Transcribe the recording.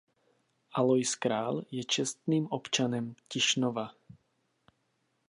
Alois Král je čestným občanem Tišnova.